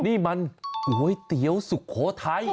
นี่มันก๋วยเตี๋ยวสุโขทัย